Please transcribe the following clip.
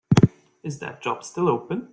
Is that job still open?